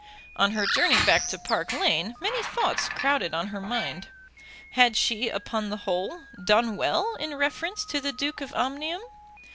On her journey back to Park Lane many thoughts crowded on her mind. Had she, upon the whole, done well in reference to the Duke of Omnium?